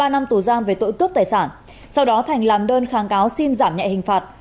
ba năm tù giam về tội cướp tài sản sau đó thành làm đơn kháng cáo xin giảm nhẹ hình phạt